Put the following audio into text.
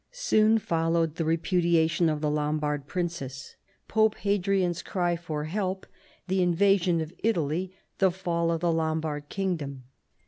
Soon followed the repudia tion of the Lombard princess. Pope Hadrian's cry for help, the invasion of Italy, the fall of the Lombard kingdom.